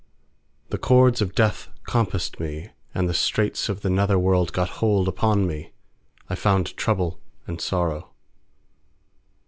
3The cords of death compassed me, And the straits of the nether worlc got hold upon me; I found trouble and sorrow.